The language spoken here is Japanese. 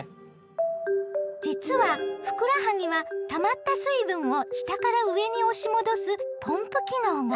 実はふくらはぎはたまった水分を下から上に押し戻すポンプ機能が。